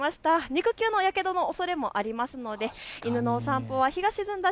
肉球のやけどのおそれもありますので犬の散歩は日が沈んだ